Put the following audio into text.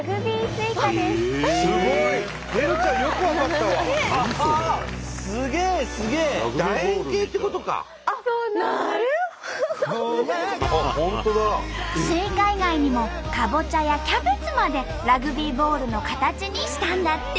スイカ以外にもカボチャやキャベツまでラグビーボールの形にしたんだって。